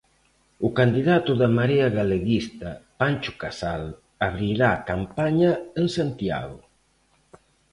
O candidato da Marea Galeguista, Pancho Casal, abrirá campaña en Santiago.